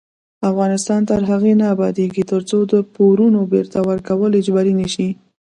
افغانستان تر هغو نه ابادیږي، ترڅو د پورونو بیرته ورکول اجباري نشي.